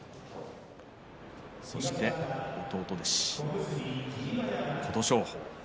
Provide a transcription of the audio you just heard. そして弟弟子、琴勝峰。